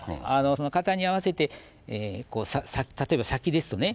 その型に合わせて例えば先ですとね